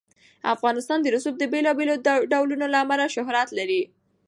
افغانستان د رسوب د بېلابېلو ډولونو له امله شهرت لري.